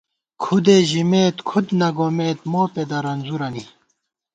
کُھدے ژِمېت کھُد نہ گومېت مو پېدہ رنځورَنی